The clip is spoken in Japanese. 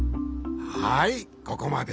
はいここまで。